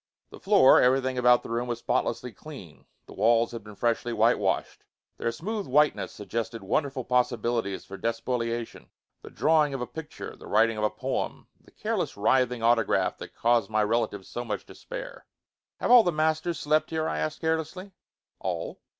The floor, everything about the room was spotlessly clean. The walls had been freshly whitewashed. Their smooth whiteness suggested wonderful possibilities for despoliation, the drawing of a picture, the writing of a poem, the careless writhing autograph that caused my relatives so much despair. "Have all the masters slept here?" I asked carelessly. "All."